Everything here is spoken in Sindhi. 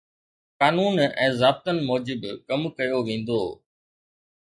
قانون ۽ ضابطن موجب ڪم ڪيو ويندو.